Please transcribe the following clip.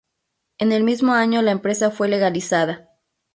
En el mismo año la empresa fue legalizada.